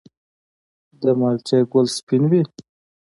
د مالټې ګل سپین وي؟